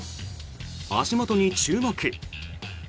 足元に注目。